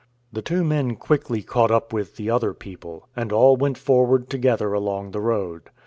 The two men quickly caught up with the other people, and all went forward together along the road.